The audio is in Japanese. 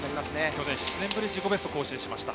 去年、７年ぶりに自己ベストを更新しました。